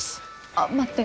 ああ待って。